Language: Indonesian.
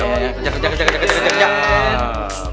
kejap kejap kejap